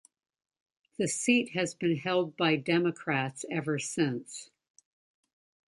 The seat has been held by Democrats ever since.